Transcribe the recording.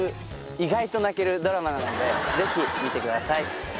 意外と泣けるドラマなのでぜひ見てください。